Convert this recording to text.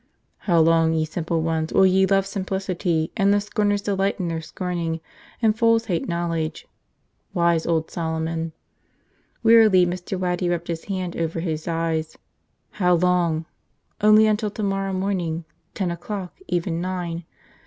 "How long, ye simple ones, will ye love simplicity, and the scorners delight in their scorning, and fools hate knowledge?" Wise old Solomon! Wearily Mr. Waddy rubbed his hand over his eyes. How long? Only until tomorrow morning, ten o'clock, even nine.